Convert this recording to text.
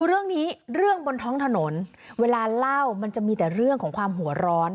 เรื่องนี้เรื่องบนท้องถนนเวลาเล่ามันจะมีแต่เรื่องของความหัวร้อน